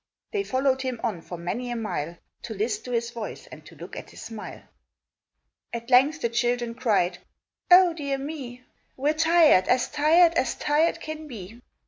They followed him on for many a mile To list to his voice, and to look at his smile. At length the children cried "Oh,—dear me! We're tired! as tired as tired can be!